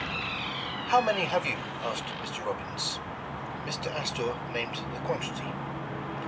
'' How many have you 1 '' asked Mr. Robbing. Mr. Astor named the quantity.